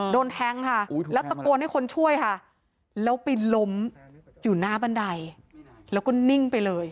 โดนแทงค่ะแล้วตะโกนให้คนช่วยค่ะแล้วไปล้มอยู่หน้าบันไดแล้วก็นิ่งไปเลย